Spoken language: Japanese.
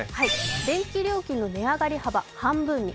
電気料金の値上がり幅半分に。